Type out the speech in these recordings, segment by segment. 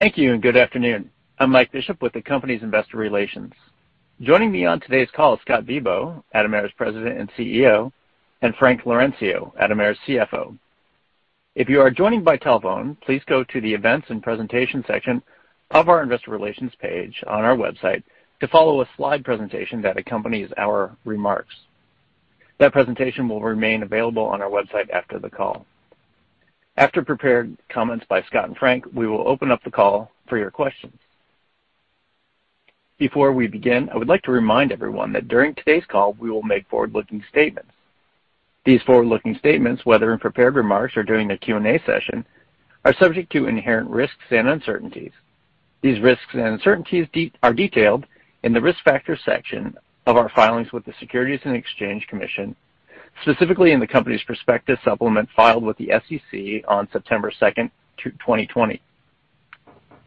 Thank you, and good afternoon. I'm Mike Bishop with the company's investor relations. Joining me on today's call is Scott Bibaud, Atomera's President and CEO, and Frank Laurencio, Atomera's CFO. If you are joining by telephone, please go to the Events and Presentation section of our investor relations page on our website to follow a slide presentation that accompanies our remarks. That presentation will remain available on our website after the call. After prepared comments by Scott and Frank, we will open up the call for your questions. Before we begin, I would like to remind everyone that during today's call, we will make forward-looking statements. These forward-looking statements, whether in prepared remarks or during the Q&A session, are subject to inherent risks and uncertainties. These risks and uncertainties are detailed in the Risk Factors section of our filings with the Securities and Exchange Commission, specifically in the company's prospective supplement filed with the SEC on September 2nd, 2020.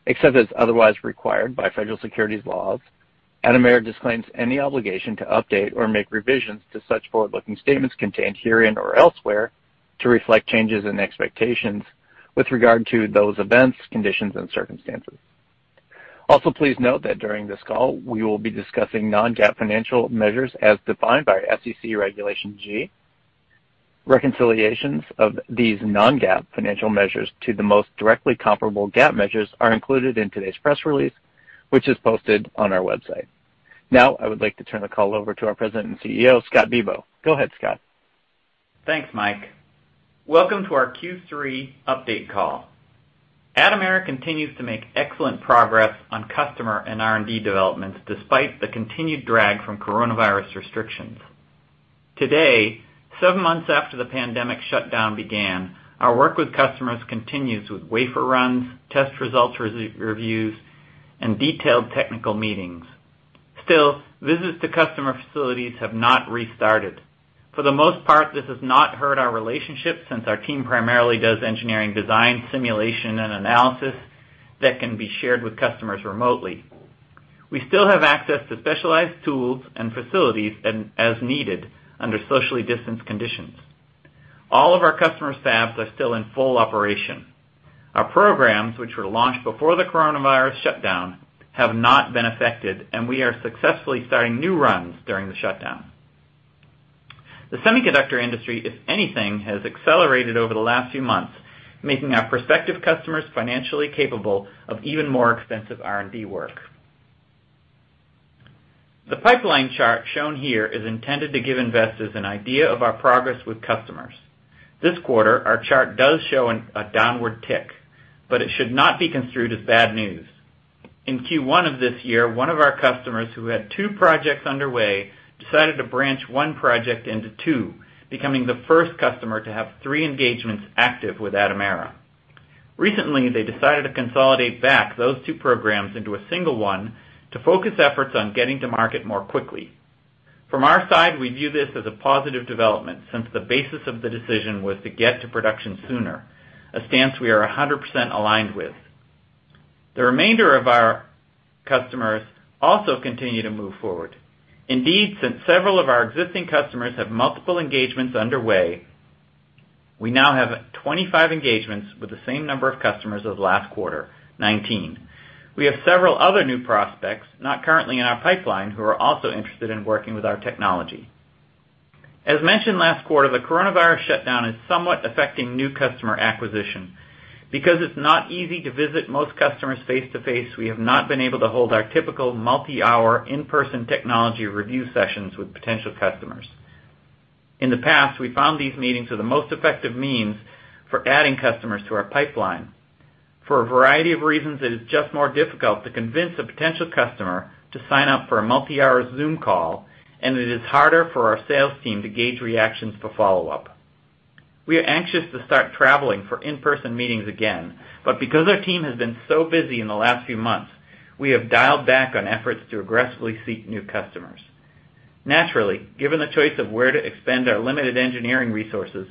Except as otherwise required by federal securities laws, Atomera disclaims any obligation to update or make revisions to such forward-looking statements contained herein or elsewhere to reflect changes in expectations with regard to those events, conditions, and circumstances. Also, please note that during this call, we will be discussing non-GAAP financial measures as defined by SEC Regulation G. Reconciliations of these non-GAAP financial measures to the most directly comparable GAAP measures are included in today's press release, which is posted on our website. Now, I would like to turn the call over to our President and CEO, Scott Bibaud. Go ahead, Scott. Thanks, Mike. Welcome to our Q3 Update Call. Atomera continues to make excellent progress on customer and R&D developments despite the continued drag from coronavirus restrictions. Today, seven months after the pandemic shutdown began, our work with customers continues with wafer runs, test results reviews, and detailed technical meetings. Still, visits to customer facilities have not restarted. For the most part, this has not hurt our relationships since our team primarily does engineering design, simulation, and analysis that can be shared with customers remotely. We still have access to specialized tools and facilities as needed under socially distanced conditions. All of our customer fabs are still in full operation. Our programs, which were launched before the coronavirus shutdown, have not been affected, and we are successfully starting new runs during the shutdown. The semiconductor industry, if anything, has accelerated over the last few months, making our prospective customers financially capable of even more extensive R&D work. The pipeline chart shown here is intended to give investors an idea of our progress with customers. This quarter, our chart does show a downward tick, but it should not be construed as bad news. In Q1 of this year, one of our customers who had two projects underway decided to branch one project into two, becoming the first customer to have three engagements active with Atomera. Recently, they decided to consolidate back those two programs into a single one to focus efforts on getting to market more quickly. From our side, we view this as a positive development since the basis of the decision was to get to production sooner, a stance we are 100% aligned with. The remainder of our customers also continue to move forward. Indeed, since several of our existing customers have multiple engagements underway, we now have 25 engagements with the same number of customers as last quarter, 19. We have several other new prospects, not currently in our pipeline, who are also interested in working with our technology. As mentioned last quarter, the coronavirus shutdown is somewhat affecting new customer acquisition. Because it's not easy to visit most customers face to face, we have not been able to hold our typical multi-hour in-person technology review sessions with potential customers. In the past, we found these meetings are the most effective means for adding customers to our pipeline. For a variety of reasons, it is just more difficult to convince a potential customer to sign up for a multi-hour Zoom call, and it is harder for our sales team to gauge reactions for follow-up. We are anxious to start traveling for in-person meetings again, but because our team has been so busy in the last few months, we have dialed back on efforts to aggressively seek new customers. Naturally, given the choice of where to expend our limited engineering resources,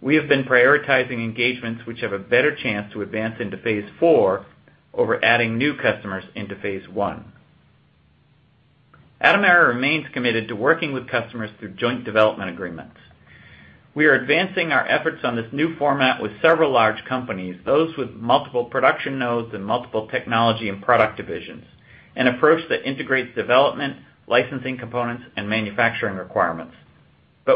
we have been prioritizing engagements which have a better chance to advance into phase IV over adding new customers into phase I. Atomera remains committed to working with customers through joint development agreements. We are advancing our efforts on this new format with several large companies, those with multiple production nodes and multiple technology and product divisions, an approach that integrates development, licensing components, and manufacturing requirements.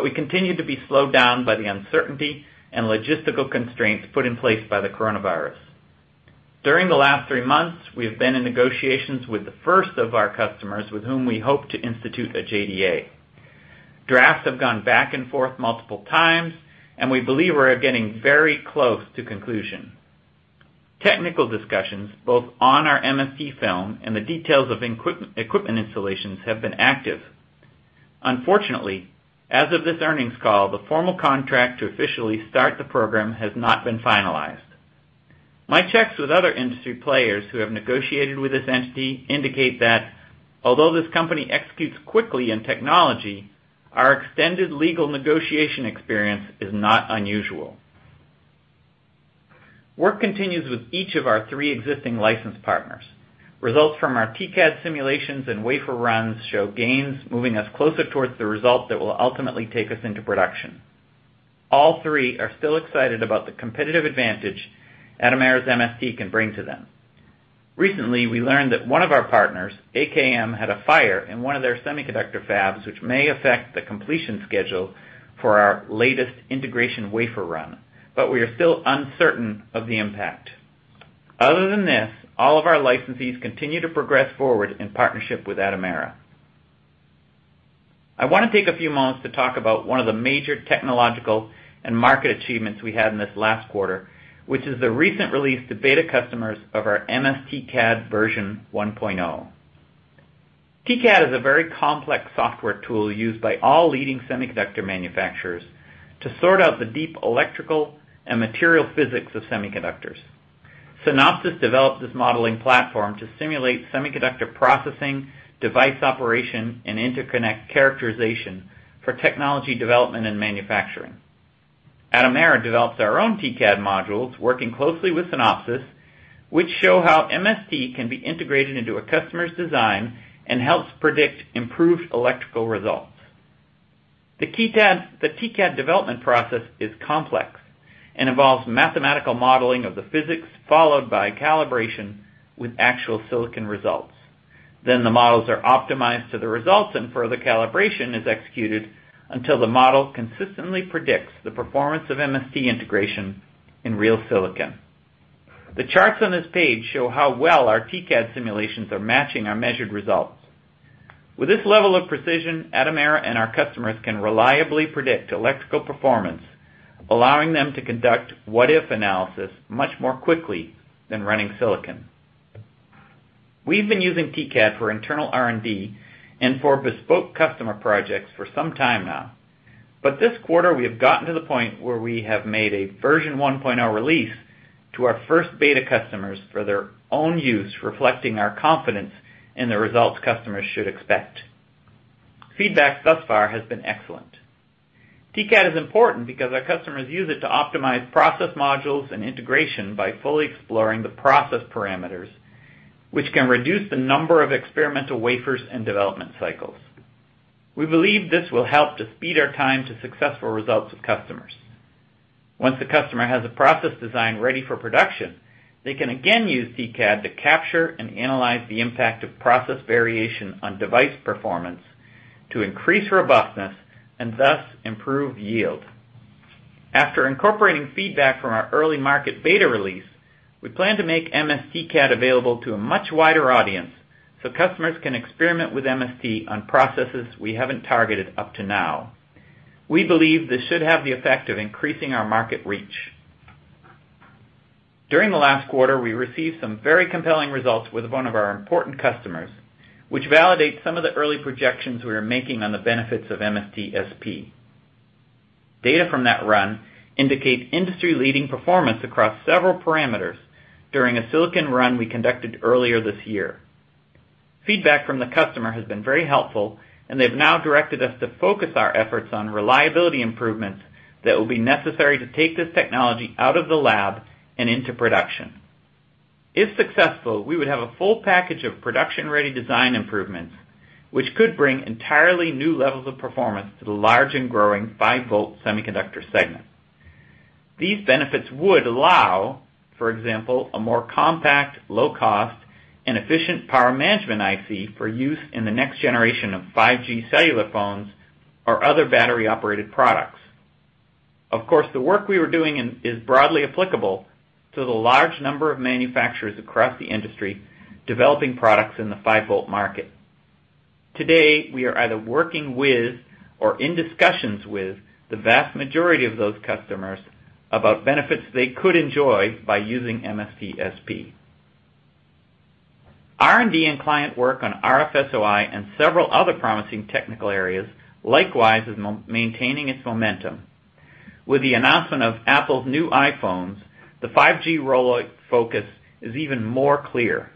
We continue to be slowed down by the uncertainty and logistical constraints put in place by the coronavirus. During the last three months, we have been in negotiations with the first of our customers with whom we hope to institute a JDA. Drafts have gone back and forth multiple times, and we believe we are getting very close to conclusion. Technical discussions, both on our MST film and the details of equipment installations, have been active. Unfortunately, as of this earnings call, the formal contract to officially start the program has not been finalized. My checks with other industry players who have negotiated with this entity indicate that although this company executes quickly in technology, our extended legal negotiation experience is not unusual. Work continues with each of our three existing license partners. Results from our TCAD simulations and wafer runs show gains moving us closer towards the result that will ultimately take us into production. All three are still excited about the competitive advantage Atomera's MST can bring to them. Recently, we learned that one of our partners, AKM, had a fire in one of their semiconductor fabs, which may affect the completion schedule for our latest integration wafer run, but we are still uncertain of the impact. Other than this, all of our licensees continue to progress forward in partnership with Atomera. I want to take a few moments to talk about one of the major technological and market achievements we had in this last quarter, which is the recent release two beta customers of our MST CAD version 1.0. TCAD is a very complex software tool used by all leading semiconductor manufacturers to sort out the deep electrical and material physics of semiconductors. Synopsys developed this modeling platform to simulate semiconductor processing, device operation, and interconnect characterization for technology development and manufacturing. Atomera develops our own TCAD modules, working closely with Synopsys, which show how MST can be integrated into a customer's design and helps predict improved electrical results. The TCAD development process is complex and involves mathematical modeling of the physics, followed by calibration with actual silicon results. The models are optimized to the results, and further calibration is executed until the model consistently predicts the performance of MST integration in real silicon. The charts on this page show how well our TCAD simulations are matching our measured results. With this level of precision, Atomera and our customers can reliably predict electrical performance, allowing them to conduct what-if analysis much more quickly than running silicon. We've been using TCAD for internal R&D and for bespoke customer projects for some time now. This quarter, we have gotten to the point where we have made a version 1.0 release to our first beta customers for their own use, reflecting our confidence in the results customers should expect. Feedback thus far has been excellent. TCAD is important because our customers use it to optimize process modules and integration by fully exploring the process parameters, which can reduce the number of experimental wafers and development cycles. We believe this will help to speed our time to successful results with customers. Once the customer has a process design ready for production, they can again use TCAD to capture and analyze the impact of process variation on device performance to increase robustness and thus improve yield. After incorporating feedback from our early market beta release, we plan to make MST CAD available to a much wider audience so customers can experiment with MST on processes we haven't targeted up to now. We believe this should have the effect of increasing our market reach. During the last quarter, we received some very compelling results with one of our important customers, which validates some of the early projections we were making on the benefits of MSTSP. Data from that run indicates industry-leading performance across several parameters during a silicon run we conducted earlier this year. Feedback from the customer has been very helpful, and they've now directed us to focus our efforts on reliability improvements that will be necessary to take this technology out of the lab and into production. If successful, we would have a full package of production-ready design improvements, which could bring entirely new levels of performance to the large and growing 5-volt semiconductor segment. These benefits would allow, for example, a more compact, low cost, and efficient power management IC for use in the next generation of 5G cellular phones or other battery-operated products. Of course, the work we were doing is broadly applicable to the large number of manufacturers across the industry developing products in the 5-volt market. Today, we are either working with or in discussions with the vast majority of those customers about benefits they could enjoy by using MSTSP. R&D and client work on RF-SOI and several other promising technical areas likewise is maintaining its momentum. With the announcement of Apple's new iPhones, the 5G focus is even clearer.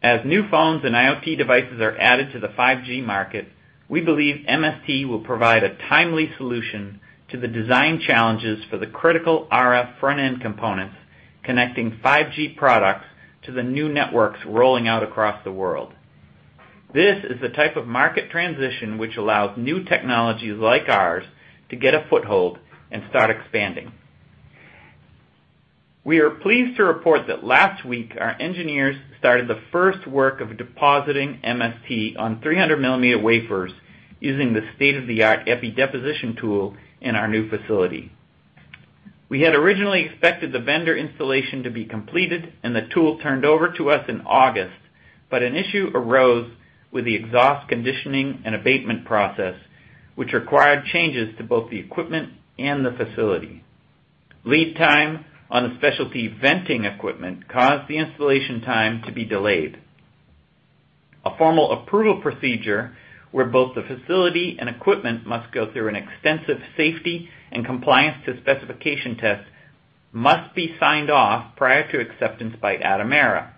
As new phones and IoT devices are added to the 5G market, we believe MST will provide a timely solution to the design challenges for the critical RF front-end components, connecting 5G products to the new networks rolling out across the world. This is the type of market transition which allows new technologies like ours to get a foothold and start expanding. We are pleased to report that last week, our engineers started the first work of depositing MST on 300 mm wafers using the state-of-the-art EPI deposition tool in our new facility. We had originally expected the vendor installation to be completed and the tool turned over to us in August, but an issue arose with the exhaust conditioning and abatement process, which required changes to both the equipment and the facility. Lead time on the specialty venting equipment caused the installation time to be delayed. A formal approval procedure where both the facility and equipment must go through an extensive safety and compliance to specification test must be signed off prior to acceptance by Atomera.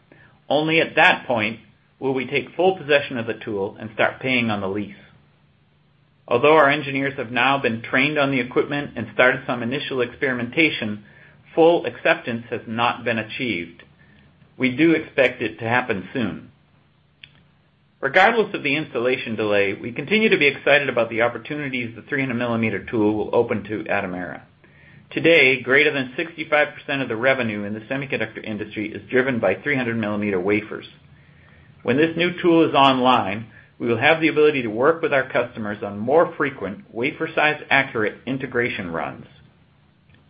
Only at that point will we take full possession of the tool and start paying on the lease. Although our engineers have now been trained on the equipment and started some initial experimentation, full acceptance has not been achieved. We do expect it to happen soon. Regardless of the installation delay, we continue to be excited about the opportunities the 300 mm tool will open to Atomera. Today, greater than 65% of the revenue in the semiconductor industry is driven by 300 mm wafers. When this new tool is online, we will have the ability to work with our customers on more frequent wafer size accurate integration runs.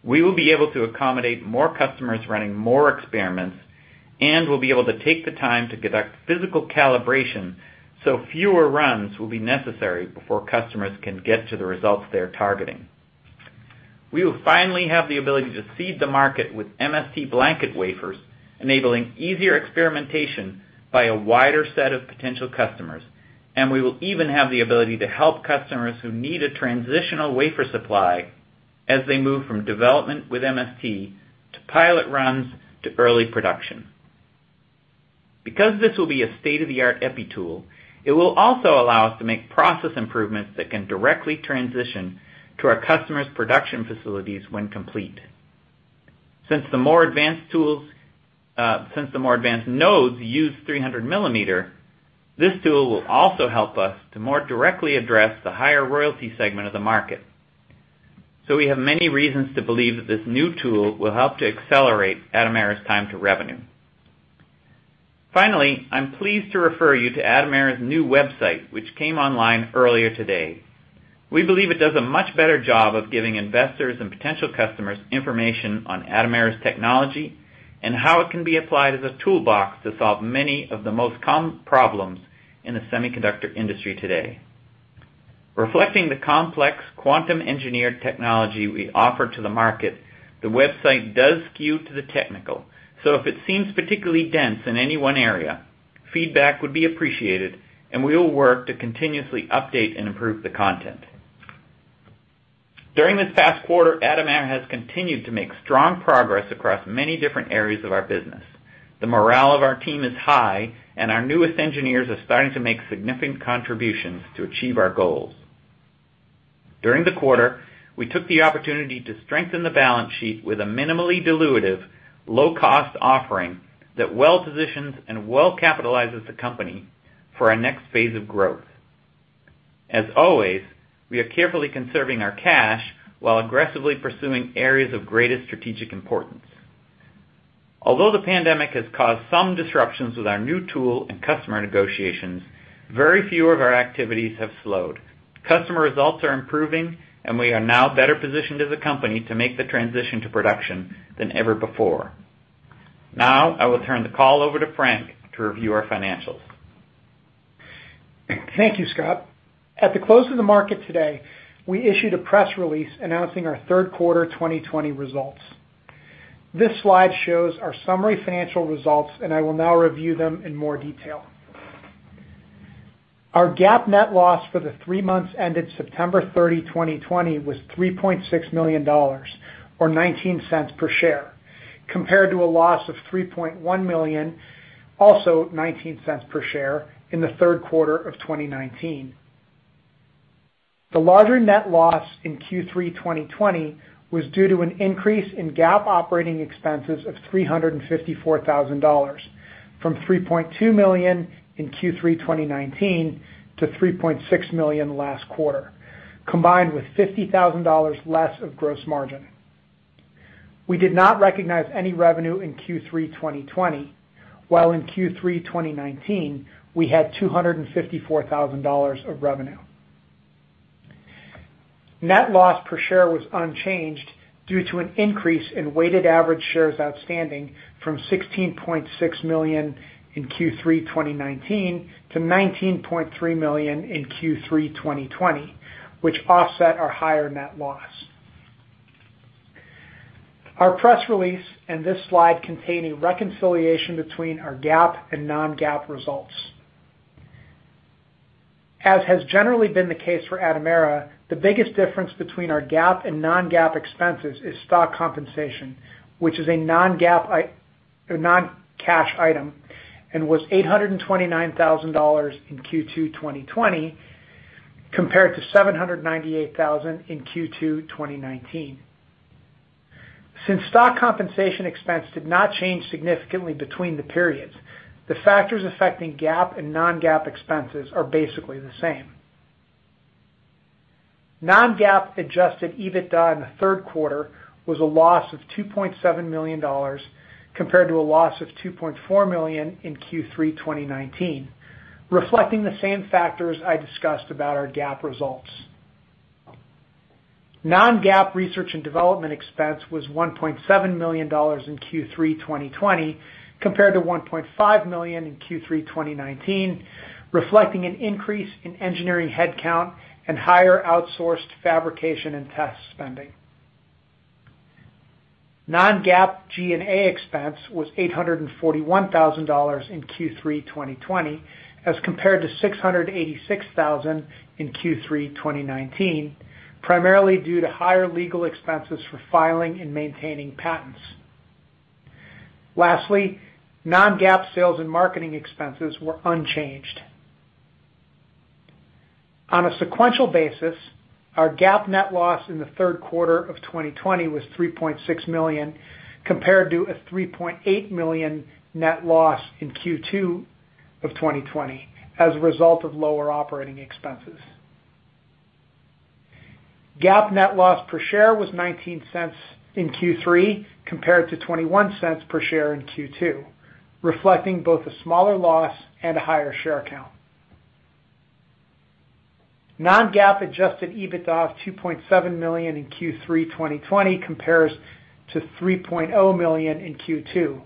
We will be able to accommodate more customers running more experiments, and we'll be able to take the time to conduct physical calibration so fewer runs will be necessary before customers can get to the results they're targeting. We will finally have the ability to seed the market with MST blanket wafers, enabling easier experimentation by a wider set of potential customers, and we will even have the ability to help customers who need a transitional wafer supply as they move from development with MST to pilot runs to early production. Because this will be a state-of-the-art EPI tool, it will also allow us to make process improvements that can directly transition to our customers' production facilities when complete. Since the more advanced nodes use 300 mm, this tool will also help us to more directly address the higher royalty segment of the market. We have many reasons to believe that this new tool will help to accelerate Atomera's time to revenue. Finally, I'm pleased to refer you to Atomera's new website, which came online earlier today. We believe it does a much better job of giving investors and potential customers information on Atomera's technology and how it can be applied as a toolbox to solve many of the most common problems in the semiconductor industry today. Reflecting the complex quantum engineered technology we offer to the market, the website does skew to the technical, so if it seems particularly dense in any one area, feedback would be appreciated, and we will work to continuously update and improve the content. During this past quarter, Atomera has continued to make strong progress across many different areas of our business. The morale of our team is high, and our newest engineers are starting to make significant contributions to achieve our goals. During the quarter, we took the opportunity to strengthen the balance sheet with a minimally dilutive, low-cost offering that well positions and well capitalizes the company for our next phase of growth. As always, we are carefully conserving our cash while aggressively pursuing areas of greatest strategic importance. Although the pandemic has caused some disruptions with our new tool and customer negotiations, very few of our activities have slowed. Customer results are improving, and we are now better positioned as a company to make the transition to production than ever before. Now, I will turn the call over to Frank to review our financials. Thank you, Scott. At the close of the market today, we issued a press release announcing our third quarter 2020 results. This slide shows our summary financial results, and I will now review them in more detail. Our GAAP net loss for the three months ended September 30th, 2020, was $3.6 million, or $0.19 per share, compared to a loss of $3.1 million, also $0.19 per share, in the third quarter of 2019. The larger net loss in Q3 2020 was due to an increase in GAAP operating expenses of $354,000 from $3.2 million in Q3 2019 to $3.6 million last quarter, combined with $50,000 less of gross margin. We did not recognize any revenue in Q3 2020, while in Q3 2019, we had $254,000 of revenue. Net loss per share was unchanged due to an increase in weighted average shares outstanding from $16.6 million in Q3 2019 to $19.3 million in Q3 2020, which offset our higher net loss. Our press release and this slide contain a reconciliation between our GAAP and non-GAAP results. As has generally been the case for Atomera, the biggest difference between our GAAP and non-GAAP expenses is stock compensation, which is a non-cash item and was $829,000 in Q2 2020, compared to $798,000 in Q2 2019. Since stock compensation expense did not change significantly between the periods, the factors affecting GAAP and non-GAAP expenses are basically the same. Non-GAAP adjusted EBITDA in the third quarter was a loss of $2.7 million, compared to a loss of $2.4 million in Q3 2019, reflecting the same factors I discussed about our GAAP results. Non-GAAP research and development expense was $1.7 million in Q3 2020, compared to $1.5 million in Q3 2019, reflecting an increase in engineering headcount and higher outsourced fabrication and test spending. Non-GAAP G&A expense was $841,000 in Q3 2020 as compared to $686,000 in Q3 2019, primarily due to higher legal expenses for filing and maintaining patents. Lastly, non-GAAP sales and marketing expenses were unchanged. On a sequential basis, our GAAP net loss in the third quarter of 2020 was $3.6 million, compared to a $3.8 million net loss in Q2 of 2020 as a result of lower operating expenses. GAAP net loss per share was $0.19 in Q3 compared to $0.21 per share in Q2, reflecting both a smaller loss and a higher share count. Non-GAAP adjusted EBITDA of $2.7 million in Q3 2020 compares to $3.0 million in Q2,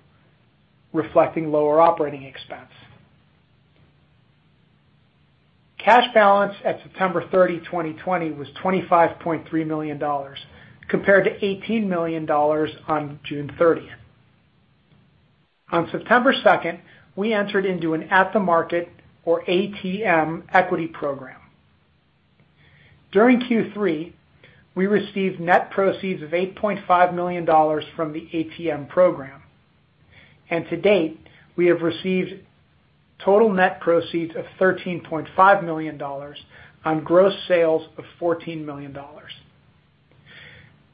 reflecting lower operating expense. Cash balance at September 30th, 2020, was $25.3 million, compared to $18 million on June 30th. On September 2nd, we entered into an at-the-market, or ATM, equity program. During Q3, we received net proceeds of $8.5 million from the ATM program, and to date, we have received total net proceeds of $13.5 million on gross sales of $14 million.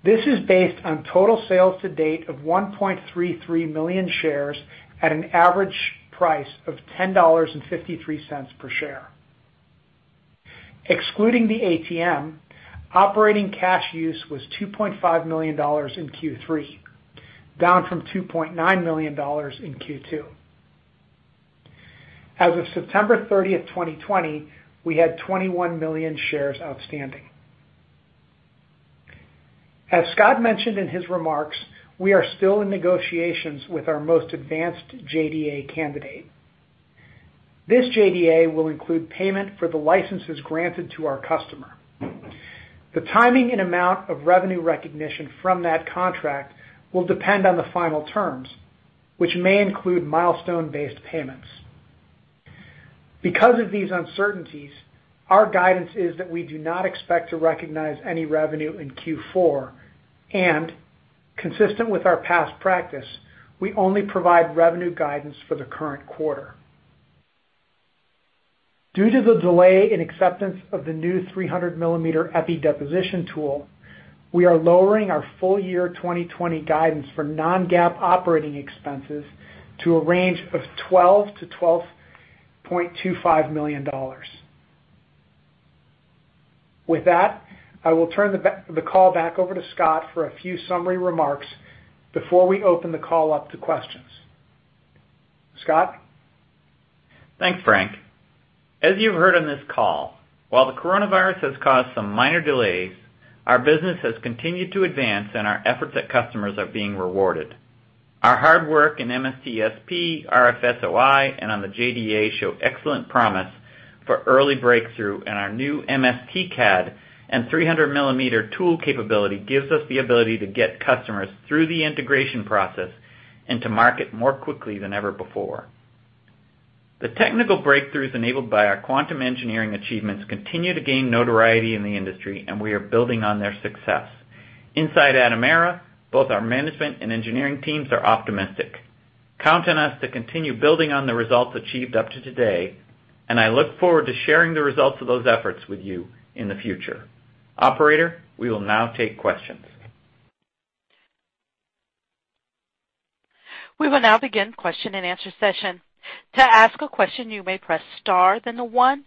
This is based on total sales to date of 1.33 million shares at an average price of $10.53 per share. Excluding the ATM, operating cash use was $2.5 million in Q3, down from $2.9 million in Q2. As of September 30th, 2020, we had 21 million shares outstanding. As Scott mentioned in his remarks, we are still in negotiations with our most advanced JDA candidate. This JDA will include payment for the licenses granted to our customer. The timing and amount of revenue recognition from that contract will depend on the final terms, which may include milestone-based payments. Because of these uncertainties, our guidance is that we do not expect to recognize any revenue in Q4, and consistent with our past practice, we only provide revenue guidance for the current quarter. Due to the delay in acceptance of the new 300 mm EPI deposition tool, we are lowering our full year 2020 guidance for non-GAAP operating expenses to a range of $12 million-$12.25 million. With that, I will turn the call back over to Scott for a few summary remarks before we open the call up to questions. Scott? Thanks, Frank. As you've heard on this call, while the coronavirus has caused some minor delays, our business has continued to advance, and our efforts at customers are being rewarded. Our hard work in MSTSP, RF-SOI, and on the JDA show excellent promise for early breakthrough, and our new MST CAD and 300 mm tool capability gives us the ability to get customers through the integration process and to market more quickly than ever before. The technical breakthroughs enabled by our quantum engineering achievements continue to gain notoriety in the industry, and we are building on their success. Inside Atomera, both our management and engineering teams are optimistic. Count on us to continue building on the results achieved up to today, and I look forward to sharing the results of those efforts with you in the future. Operator, we will now take questions. We will now begin question and answer session. To ask a question, you may press star then one,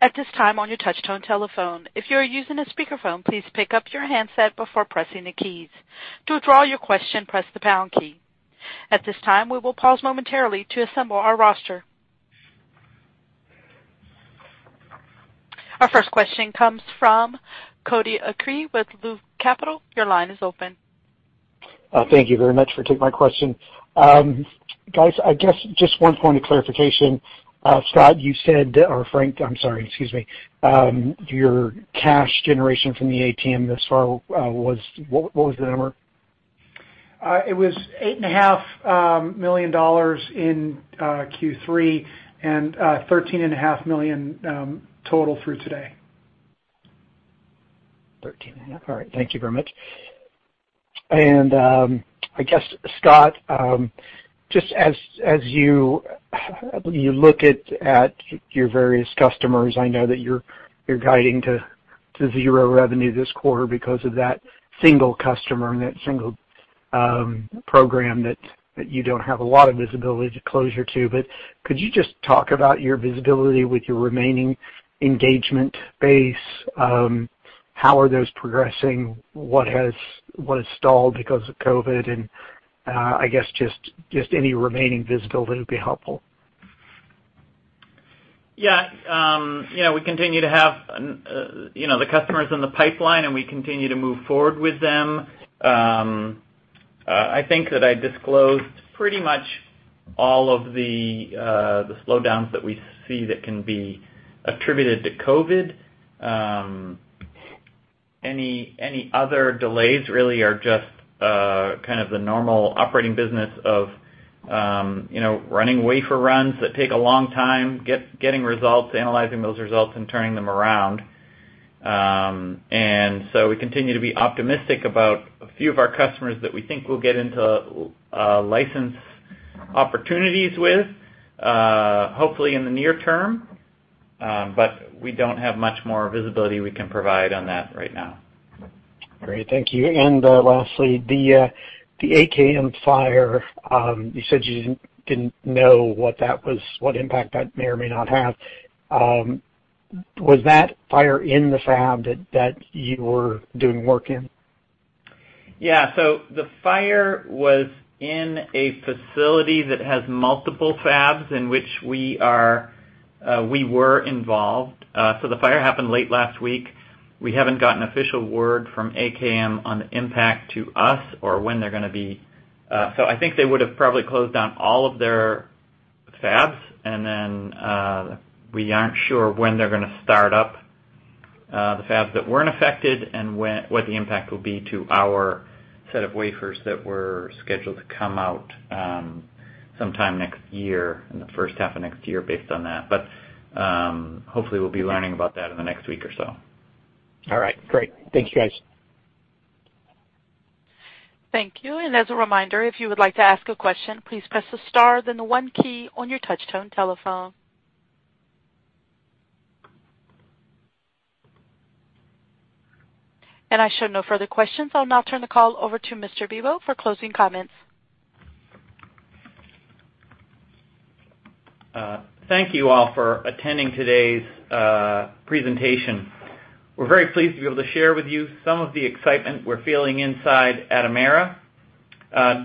at this time on your touchtone telephone. If your using a speaker phone, please pick up your handset before pressing the keys. To withdraw your question, press the pound key. At this time, we will pause momentarily to assemble our roster. Our first question comes from Cody Acree with Loop Capital. Your line is open. Thank you very much for taking my question. Guys, I guess just one point of clarification. Scott, you said, or Frank, I'm sorry, excuse me, your cash generation from the ATM thus far was What was the number? It was $8.5 million in Q3 and $13.5 million total through today. $13.5 million. All right. Thank you very much. I guess, Scott, just as you look at your various customers, I know that you're guiding to zero revenue this quarter because of that single customer and that single program that you don't have a lot of visibility to closure to, but could you just talk about your visibility with your remaining engagement base? How are those progressing? What has stalled because of COVID? I guess just any remaining visibility would be helpful. Yeah. We continue to have the customers in the pipeline, and we continue to move forward with them. I think that I disclosed pretty much all of the slowdowns that we see that can be attributed to COVID. Any other delays really are just kind of the normal operating business of running wafer runs that take a long time, getting results, analyzing those results, and turning them around. So we continue to be optimistic about a few of our customers that we think we'll get into license opportunities with, hopefully in the near term. We don't have much more visibility we can provide on that right now. Great. Thank you. Lastly, the AKM fire, you said you didn't know what impact that may or may not have. Was that fire in the fab that you were doing work in? Yeah. The fire was in a facility that has multiple fabs in which we were involved. The fire happened late last week. We haven't gotten official word from AKM on the impact to us. I think they would've probably closed down all of their fabs, and then we aren't sure when they're going to start up the fabs that weren't affected and what the impact will be to our set of wafers that were scheduled to come out sometime in the first half of next year based on that. Hopefully we'll be learning about that in the next week or so. All right, great. Thank you, guys. Thank you. As a reminder, if you would like to ask a question, please press the star then the one key on your touch-tone telephone. I show no further questions. I'll now turn the call over to Mr. Bibaud for closing comments. Thank you all for attending today's presentation. We're very pleased to be able to share with you some of the excitement we're feeling inside Atomera.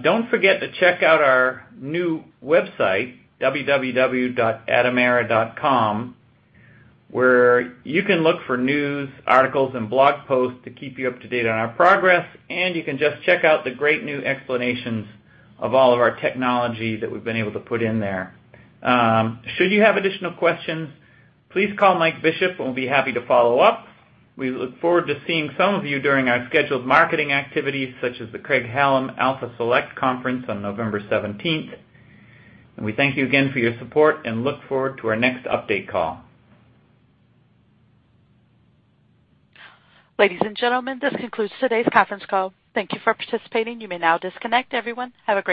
Don't forget to check out our new website, www.atomera.com, where you can look for news, articles, and blog posts to keep you up to date on our progress, and you can just check out the great new explanations of all of our technology that we've been able to put in there. Should you have additional questions, please call Mike Bishop, and we'll be happy to follow up. We look forward to seeing some of you during our scheduled marketing activities, such as the Craig-Hallum Alpha Select Conference on November 17th. We thank you again for your support and look forward to our next update call. Ladies and gentlemen, this concludes today's conference call. Thank you for participating. You may now disconnect. Everyone, have a great day.